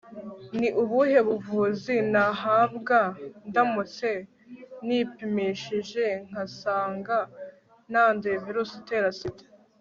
ni ubuhe buvuzi nahabwa ndamutse nipimishije nkasanga nanduye virusi itera sida